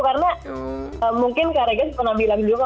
karena mungkin kak karygas pernah bilang juga